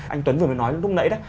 anh tuấn vừa mới nói lúc nãy đó